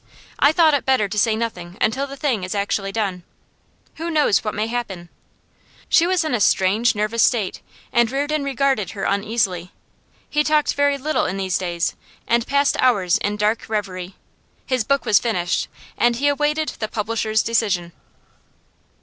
I thought it better to say nothing until the thing is actually done. Who knows what may happen?' She was in a strange, nervous state, and Reardon regarded her uneasily. He talked very little in these days, and passed hours in dark reverie. His book was finished, and he awaited the publisher's decision.